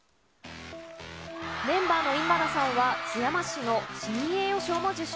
メンバーの稲葉さんは、津山市の市民栄誉賞も受賞。